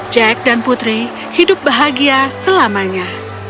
jack dan putri hidup bahagia selamanya